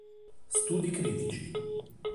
Studi critici